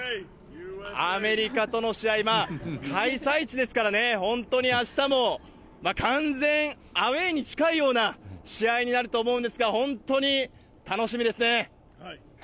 アメリカとの試合、開催地ですからね、本当にあしたも完全アウエーに近いような試合になると思うんですが、本当に楽しみですね。